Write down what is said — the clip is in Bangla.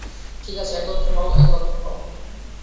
ঠিক আছে, একত্র হও, একত্র হও।